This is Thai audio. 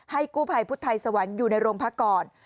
กู้ภัยพุทธไทยสวรรค์อยู่ในโรงพักก่อน